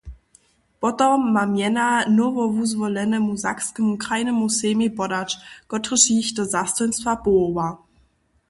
Potom ma mjena nowowuzwolenemu Sakskemu krajnemu sejmej podać, kotryž jich do zastojnstwa powoła.